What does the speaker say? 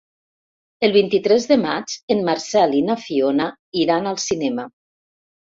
El vint-i-tres de maig en Marcel i na Fiona iran al cinema.